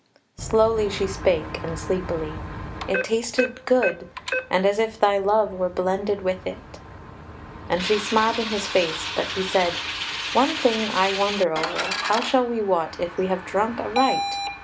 Slowly she spake and sleepily: "It tasted good, and as if thy love were blended with it." And she smiled in his face; but he said: "One thing I wonder over: how shall we wot if we have drunk aright?